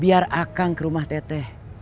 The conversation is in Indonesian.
biar akang ke rumah teteh